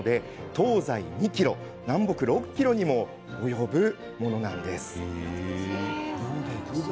東西２ｋｍ、南北６ｋｍにも及ぶものなんです。